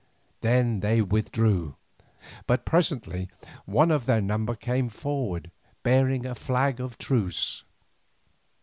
Then they withdrew, but presently one of their number came forward bearing a flag of truce.